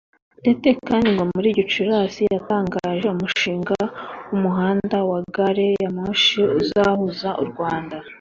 Gatete kandi ngo muri Gicurasi yatangaje umushinga w’umuhanda wa gari ya moshi uzahuza u Rwanda